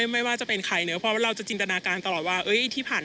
ไม่ว่าจะเป็นใครเนี่ย